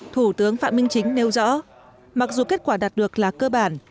thủ tướng phạm minh chính nêu rõ mặc dù kết quả đạt được là cơ bản